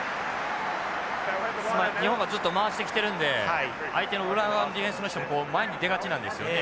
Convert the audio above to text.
日本がずっと回してきてるんで相手の裏側のディフェンスの人も前に出がちなんですよね。